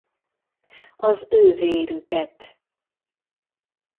Az ő vérüket.